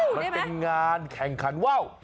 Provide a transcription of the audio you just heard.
มันเป็นงานแข่งขันว่าว